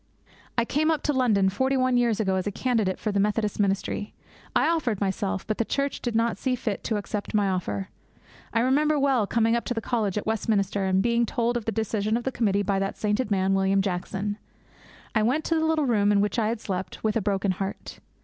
I came up to London forty one years ago as a candidate for the Methodist ministry. I offered myself, but the Church did not see fit to accept my offer. I remember well coming up to the college at Westminster and being told of the decision of the committee by that sainted man, William Jackson. I went to the little room in which I had slept with a broken heart.